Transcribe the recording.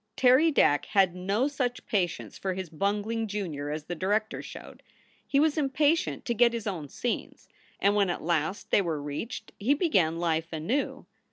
Terry Dack had no such patience for his bungling junior as the director showed. He was impatient to get to his own scenes, and when at last they were reached he began life anew.